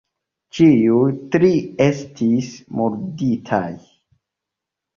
Ĉiuj tri estis murditaj.